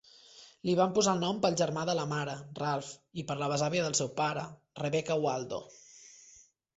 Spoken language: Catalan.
Li van posar el nom pel germà de la mare, Ralph, i per la besàvia del seu pare, Rebecca Waldo.